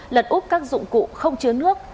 lật úp các dụng cụ không chứa nước